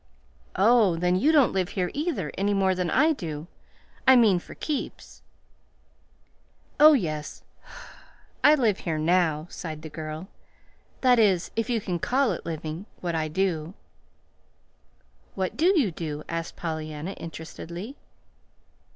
"Oh, then you don't live here, either, any more than I do I mean, for keeps." "Oh, yes, I live here now," sighed the girl; "that is, if you can call it living what I do." "What do you do?" asked Pollyanna interestedly.